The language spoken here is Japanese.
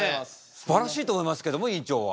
すばらしいと思いますけども院長は。